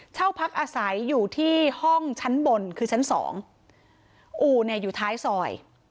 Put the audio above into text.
เช่าพักอาศัยอยู่ที่ห้องชั้นบนคือชั้นสองอู่เนี่ยอยู่ท้ายซอย